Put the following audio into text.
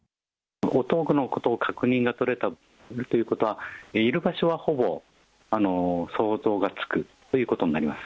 音の確認ができたということは、いる場所はほぼ、想像がつくということになります。